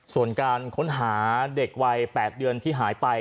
ส่วนการค้นหาเด็กวัย๘เดือนที่หายไป